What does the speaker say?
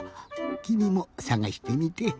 きみもさがしてみて。